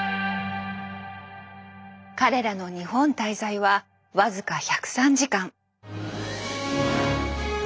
彼らの日本滞在は僅か１０３時間。